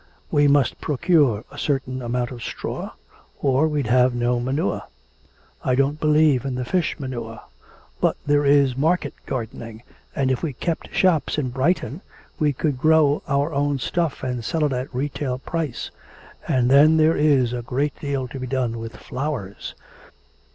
We must procure a certain amount of straw, or we'd have no manure. I don't believe in the fish manure. But there is market gardening, and if we kept shops at Brighton, we could grow our own stuff and sell it at retail price.... And then there is a great deal to be done with flowers.'